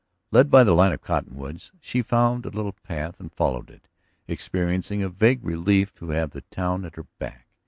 Led by the line of cottonwoods she found a little path and followed it, experiencing a vague relief to have the town at her back.